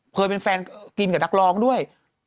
เคยเป็นแฟนกินกับนักร้องด้วย